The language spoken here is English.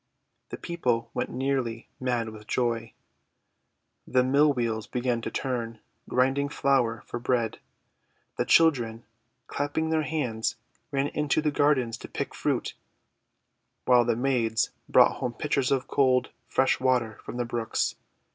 The people went nearly mad with joy. The mill wheels began to turn, grinding flour for bread. The children, clapping their hands, ran into the gardens to pick fruit, while the maids brought home pitchers of cold, fresh water from the brooks.